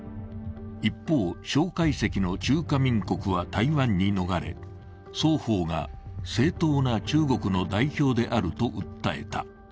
一方、蒋介石の中華民国は台湾に逃れ双方が正統な中国の代表であると訴えた。